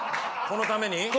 このために。